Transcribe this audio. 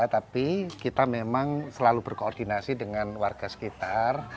tapi kita memang selalu berkoordinasi dengan warga sekitar